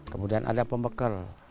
kemudian ada pembekal